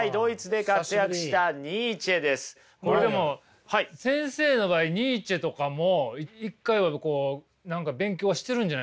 これでも先生の場合ニーチェとかも一回はこう何か勉強はしてるんじゃないですか？